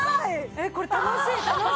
えっこれ楽しい！楽しい！